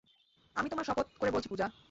আমি তোমার শপথ করে বলছি, পূজা।